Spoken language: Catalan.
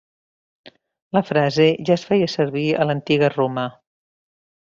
La frase ja es feia servir a l'Antiga Roma.